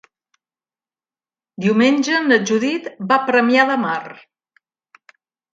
Diumenge na Judit va a Premià de Mar.